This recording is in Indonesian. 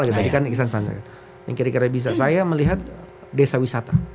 tadi kan kira kira bisa saya melihat desa wisata